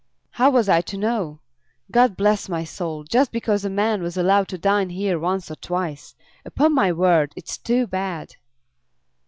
"How was I to know? God bless my soul! just because a man was allowed to dine here once or twice! Upon my word, it's too bad!"